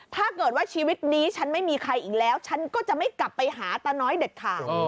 ถ้าเกิดว่าชีวิตนี้ฉันไม่มีใครอีกแล้วฉันก็จะไม่กลับไปหาตาน้อยเด็ดขาด